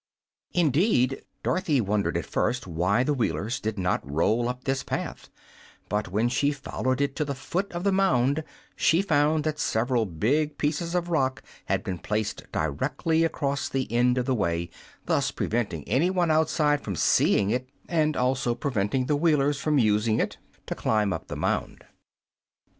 Indeed, Dorothy wondered at first why the Wheelers did not roll up this path; but when she followed it to the foot of the mound she found that several big pieces of rock had been placed directly across the end of the way, thus preventing any one outside from seeing it and also preventing the Wheelers from using it to climb up the mound.